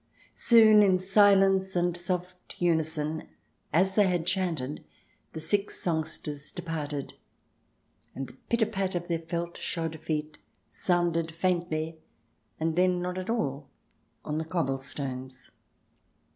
Soon, in silence and soft unison, as they had chanted, the six songsters CH. x] WAITERS AND POLICEMEN 151 departed, and the pit a pat of their felt shod feet sounded faintly, and then not at all, on the cobble stones.